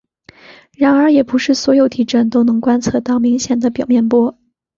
然而也不是所有地震都能观测到明显的表面波。